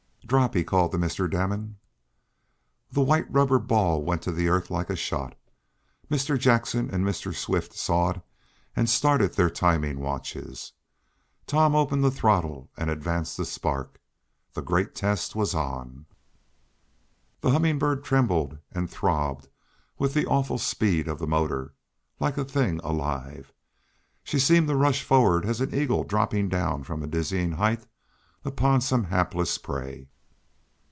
"Drop!" he called to Mr. Damon. The white rubber ball went to the earth like a shot. Mr. Jackson and Mr. Swift saw it, and started their timing watches. Tom opened the throttle and advanced the spark. The great test was on! The Humming Bird trembled and throbbed with the awful speed of the motor, like a thing alive. She seemed to rush forward as an eagle dropping down from a dizzy height upon some hapless prey.